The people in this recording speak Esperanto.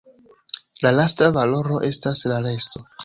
La lasta valoro estas la resto.